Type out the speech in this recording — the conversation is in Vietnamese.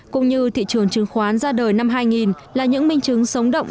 cũng như thị trường chứng khoán ra đời năm hai nghìn là những minh chứng sống động